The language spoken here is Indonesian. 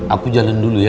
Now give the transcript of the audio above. aku jalan dulu ya